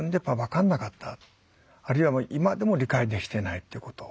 あるいは今でも理解できてないってこと。